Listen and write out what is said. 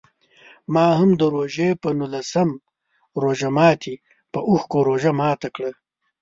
ما هم د روژې په نولسم روژه ماتي په اوښکو روژه ماته کړه.